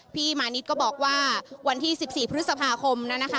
พี่มานิดก็บอกว่าวันที่๑๔พฤษภาคมนะคะ